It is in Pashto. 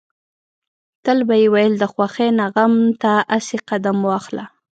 تل به يې ويل د خوښۍ نه غم ته اسې قدم واخله.